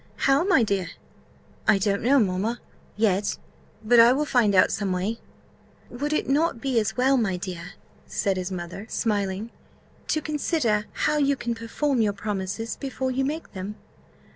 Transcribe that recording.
"How, my dear?" "I don't know, mamma, yet but I will find out some way." "Would it not be as well, my dear," said his mother, smiling, "to consider how you can perform your promises before you make them?"